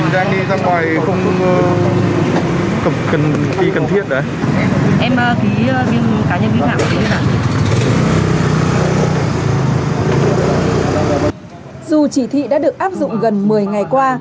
dù chỉ thị đã được áp dụng gần một mươi ngày qua